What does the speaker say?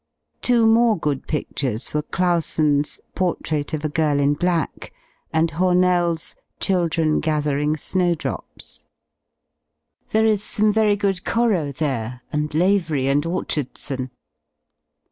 Two more good piftures were Clausen's "Portrait of a Girl in Black" and Homell's "Children Gathering Snow drops." There is some very good Corot there, and Lavery and Orchardson.